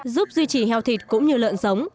giúp duy trì heo thịt cũng như lợn sống